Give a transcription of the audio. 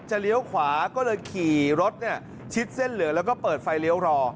เลี้ยวขวาก็เลยขี่รถชิดเส้นเหลืองแล้วก็เปิดไฟเลี้ยวรอ